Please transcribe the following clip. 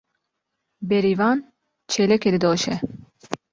Bêrîvan çêlekê didoşe.